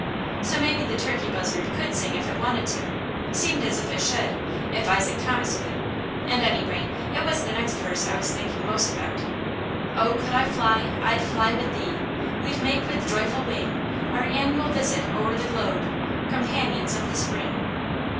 So maybe the turkey buzzard could sing if it wanted to; seemed as if it should, if Isaac Thomas could; and anyway, it was the next verse I was thinking most about: "Oh, could I fly, I'd fly with thee! We'd make with joyful wing, Our annual visit o'er the globe, Companions of the spring."